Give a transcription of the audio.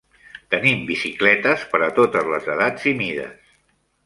Tenim bicicletes per a totes les edats i mides.